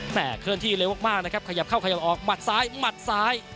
เคลื่อนที่เร็วมากนะครับขยับเข้าขยับออกหมัดซ้ายหมัดซ้าย